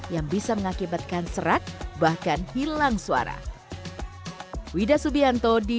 yang bisa membuat kita berhubungan dengan kemampuan fisik